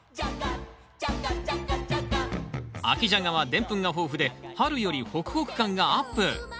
秋ジャガはでんぷんが豊富で春よりホクホク感がアップ！